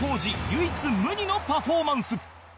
唯一無二のパフォーマンス